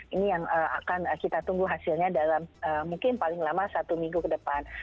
ini yang akan kita tunggu hasilnya dalam mungkin paling lama satu minggu ke depan